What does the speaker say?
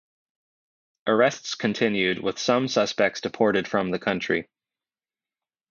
Arrests continued, with some suspects deported from the country.